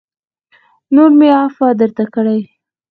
نور مې عفوه درته کړې